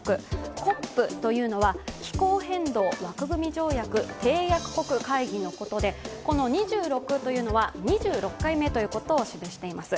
ＣＯＰというのは気候変動枠組み条約締約国会議のことで、この２６というのは２６回目ということを示しています。